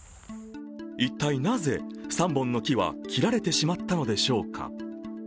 一体なぜ３本の木は切られてしまったのでしょうか。